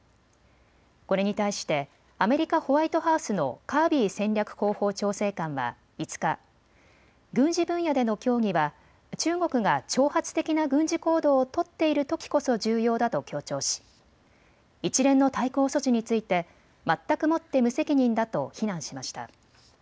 これに対してアメリカ・ホワイトハウスのカービー戦略広報調整官は５日、軍事分野での協議は中国が挑発的な軍事行動を取っているときこそ重要だと強調し一連の対抗措置について全くもって無責任だと非難しました。